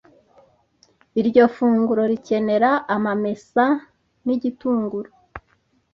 iryo funguro rikenera amamesa, igitunguru,